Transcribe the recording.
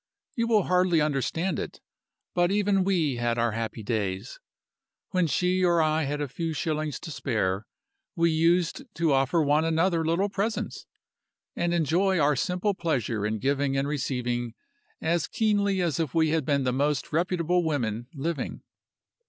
You will hardly understand it, but even we had our happy days. When she or I had a few shillings to spare, we used to offer one another little presents, and enjoy our simple pleasure in giving and receiving as keenly as if we had been the most reputable women living.